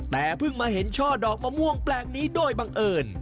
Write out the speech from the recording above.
แต่เพิ่งมาเห็นช่อดอกมะม่วงแปลกนี้โดยบังเอิญ